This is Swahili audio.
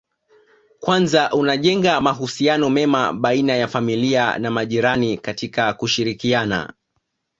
Kwanza unajenga mahusiano mema baina ya familia na majirani katika kushirikiana